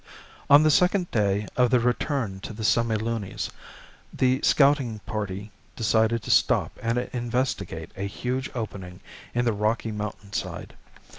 On the second day of the return to the Semilunis, the scouting party decided to stop and investigate a huge opening in the rocky mountainside.